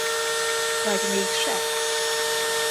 Vagy mégse?